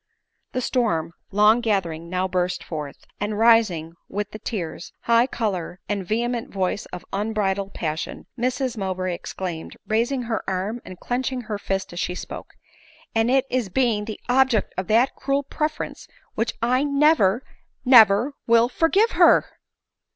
The storm, long gathering, now burst forth; and rising, with the tears, high color, and vehement voice of unbridled passion, Mrs Mowbray exclaimed, raising her arm and clenching her fist as she spoke, " And it is being the object of that cruel preference, which 1 never, never will forgive her